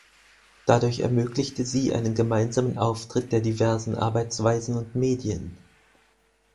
Dadurch ermöglichte sie einen gemeinsamen Auftritt der diversen Arbeitsweisen und Medien.